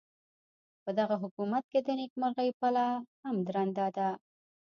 پدغه حکومت کې د نیکمرغۍ پله هم درنده ده.